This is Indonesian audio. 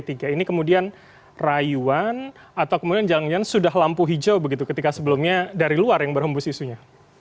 ini kemudian rayuan atau kemudian jangan jangan sudah lampu hijau begitu ketika sebelumnya dari luar yang berhembus isunya